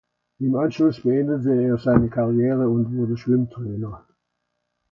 Im Anschluss beendete er seine Karriere und wurde Schwimmtrainer.